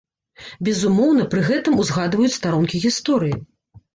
Безумоўна, пры гэтым узгадваюць старонкі гісторыі.